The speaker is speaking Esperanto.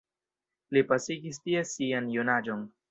Li pasigis tie sian junaĝon.